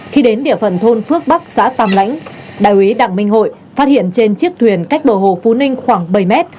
khi đến địa phận thôn phước bắc xã tam lãnh đại úy đặng minh hội phát hiện trên chiếc thuyền cách bờ hồ phú ninh khoảng bảy mét